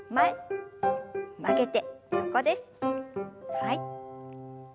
はい。